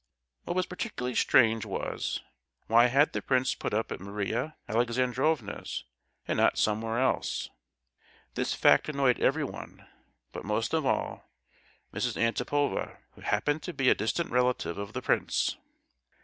What was particularly strange was, why had the prince put up at Maria Alexandrovna's, and not somewhere else? This fact annoyed everyone; but, most of all, Mrs. Antipova, who happened to be a distant relative of the prince.